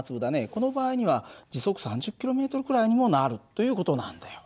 この場合には時速３０ｋｍくらいにもなるという事なんだよ。